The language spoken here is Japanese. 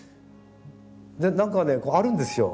でなんかねこうあるんですよ